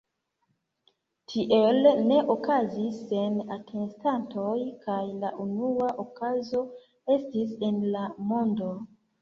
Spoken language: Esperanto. Tiel ne okazis sen atestantoj kaj la unua akuzo estis en la mondo.